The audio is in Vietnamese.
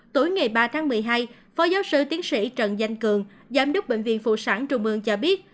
tối ngày ba tháng một mươi hai phó giáo sư tiến sĩ trần danh cường giám đốc bệnh viện phụ sản trung ương cho biết